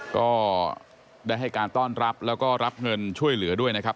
ก็ได้ให้การต้อนรับแล้วก็รับเงินช่วยเหลือด้วยนะครับ